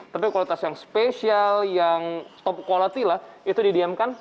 tapi kualitas yang spesial yang stop quality lah itu didiamkan